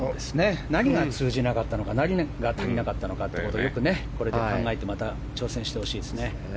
何が通じなかったのか何が足りなかったのかをよくこれから考えてまた挑戦してほしいですね。